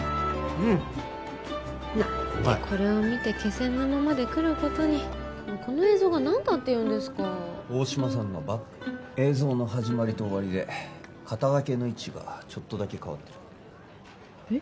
うまい何でこれを見て気仙沼まで来ることにこの映像が何だっていうんですか大島さんのバッグ映像の始まりと終わりで肩がけの位置がちょっとだけ変わってるえっ？